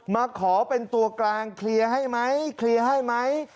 มาขอเป็นตัวกลางเคลียร์ให้ไหมเคลียร์ให้ไหม